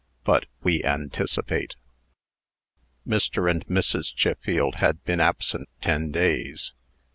But we anticipate. Mr. and Mrs. Chiffield had been absent ten days.